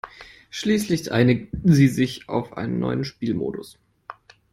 Schließlich einigten sie sich auf einen neuen Spielmodus.